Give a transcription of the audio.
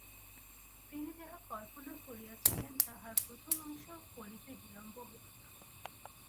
তিনি যাহা কল্পনা করিয়াছিলেন তাহার প্রথম অংশ ফলিতে বিলম্ব হইল না।